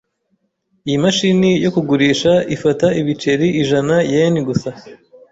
Iyi mashini yo kugurisha ifata ibiceri ijana-yen gusa .